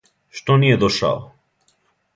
Што није дошао?